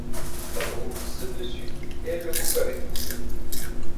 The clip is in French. Satoru lui saute dessus et elle le coupe avec le couteau.